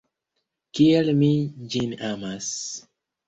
Kiel mi ĝin amas!